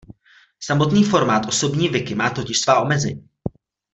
Samotný formát osobní wiki má totiž svá omezení.